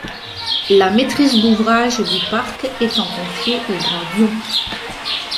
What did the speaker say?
La maîtrise d'ouvrage du parc étant confiée au Grand Lyon.